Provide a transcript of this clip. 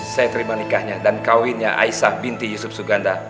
saya terima nikahnya dan kawinnya aisah binti yusuf suganda